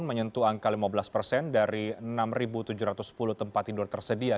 menyentuh angka lima belas persen dari enam tujuh ratus sepuluh tempat tidur tersedia